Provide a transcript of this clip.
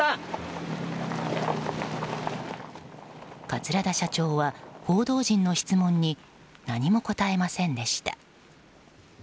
桂田社長は報道陣の質問に何も答えませんでした。